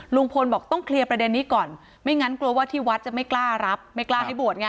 ลุงพลบอกต้องเคลียร์ประเด็นนี้ก่อนไม่งั้นกลัวว่าที่วัดจะไม่กล้ารับไม่กล้าให้บวชไง